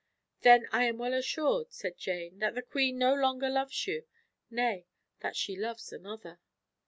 "Then I am well assured," said Jane, "that the queen no longer loves you; nay, that she loves another."